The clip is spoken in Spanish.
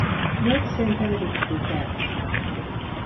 No exenta de dificultades.